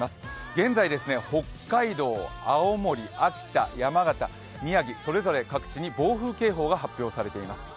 現在、北海道、青森、秋田、山形、宮城、それぞれ各地に暴風警報が発表されています。